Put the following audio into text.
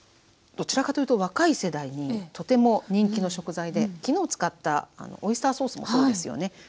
どちらかというと若い世代にとても人気の食材で昨日使ったオイスターソースもそうですよね。